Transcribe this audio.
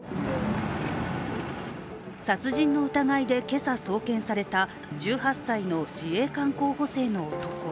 殺人の疑いで今朝送検された１８歳の自衛官候補生の男。